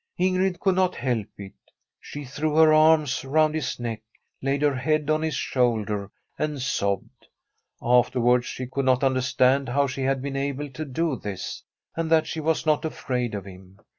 Ingrid could not help it. She threw her arms round his neck, laid her head on his shoulder and sobbed. Afterwards she could not under stand how she had been able to do this, and that she was not afraid of him.